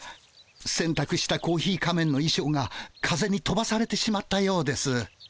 せんたくしたコーヒー仮面のいしょうが風にとばされてしまったようです。